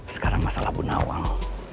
sekarang masalah bu nawang